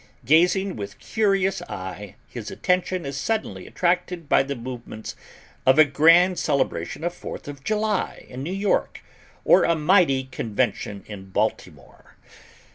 Gazing with curious eye, his attention is suddenly attracted by the movements of a grand celebration of Fourth of July in New York, or a mighty convention in Baltimore.